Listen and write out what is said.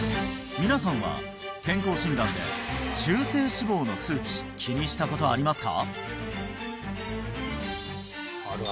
皆さんは健康診断で中性脂肪の数値気にしたことありますか？